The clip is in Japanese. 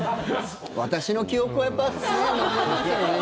私の記憶はやっぱり残りますよね。